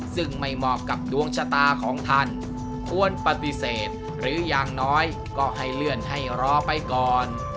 ซึ่งไม่เหมาะกับดวงชะตาของท่านควรปฏิเสธหรืออย่างน้อยก็ให้เลื่อนให้รอไปก่อน